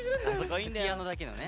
ピアノだけのね。